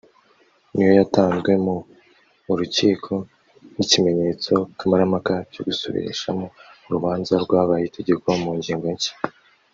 niyo yatanzwe mu mu rukiko nk’ ikimenyetso kamarampaka cyo gusubirishamo urubanza rwabaye itegeko mu ngingo nshya